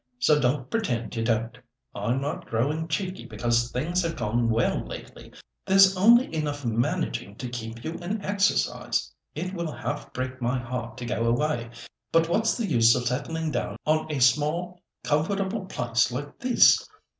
so don't pretend you don't. I'm not growing cheeky because things have gone well lately; but really there's only enough managing to keep you in exercise. It will half break my heart to go away, but what's the use of settling down on a small comfortable place like this?